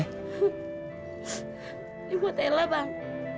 ini buat ella bang